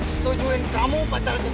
siapa kalau kaya seperti itu